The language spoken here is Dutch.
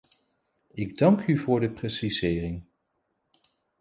Ik dank u voor de precisering.